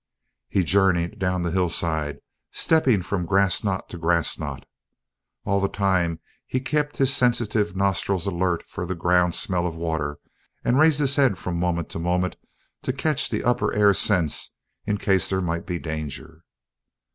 He journeyed down the hillside stepping from grass knot to grass knot. All the time he kept his sensitive nostrils alert for the ground smell of water and raised his head from moment to moment to catch the upper air scents in case there might be danger.